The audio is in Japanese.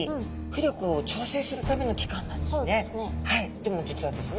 でも実はですね